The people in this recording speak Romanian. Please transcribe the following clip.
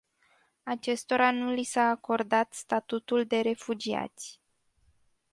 Acestora nu li s-a acordat statutul de refugiați.